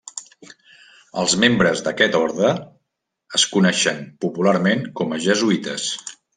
Els membres d'aquest orde es coneixen popularment com a jesuïtes.